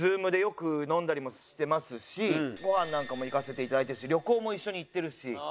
Ｚｏｏｍでよく飲んだりもしてますしご飯なんかも行かせて頂いてるし旅行も一緒に行ってるし。